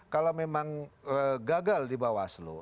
kalau memang gagal di bawah selu